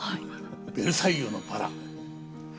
「ベルサイユのばら」。